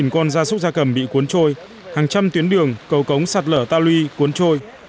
hai mươi tám con da súc da cầm bị cuốn trôi hàng trăm tuyến đường cầu cống sạt lở tàu ly cuốn trôi